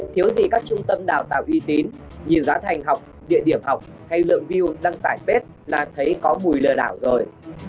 thiếu gì các trung tâm đào tạo uy tín nhìn giá thành học địa điểm học hay lượng view đăng tải bếp là thấy có mùi lừa đảo rồi